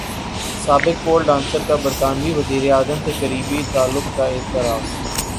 سابق pole dancer کا برطانوی وزیراعظم سے قریبی تعلق کا اعتراف